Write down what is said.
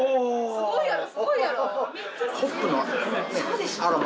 すごいやろ？